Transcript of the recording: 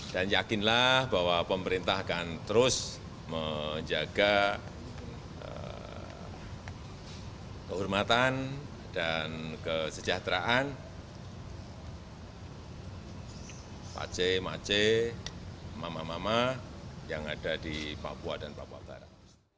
dan yakinlah bahwa pemerintah akan terus menjaga kehormatan dan kesejahteraan pak aceh mak aceh mama mama yang ada di papua dan papua barat